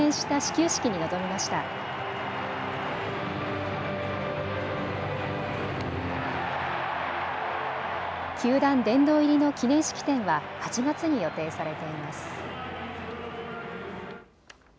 球団殿堂入りの記念式典は８月に予定されています。